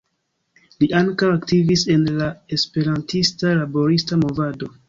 Li ankaŭ aktivis en la esperantista laborista movado.